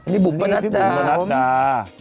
นี่บุกมะนาตา